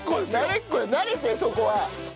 慣れてそこは。